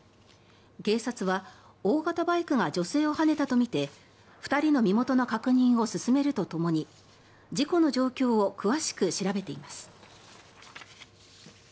警察は大型バイクが女性をはねたとみて２人の身元の確認を進めるとともに事故の状況を詳しく調べています。